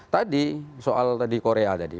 tadi soal tadi korea tadi